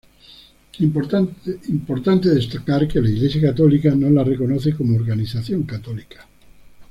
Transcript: Importante destacar que la iglesia católica no la reconoce como organización católica.